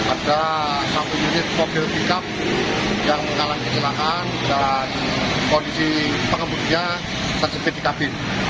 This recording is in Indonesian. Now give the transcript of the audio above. ada satu unit mobil pickup yang mengalami kecelakaan dan kondisi pengemudinya terjepit di kabin